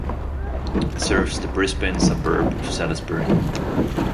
It serves the Brisbane suburb of Salisbury.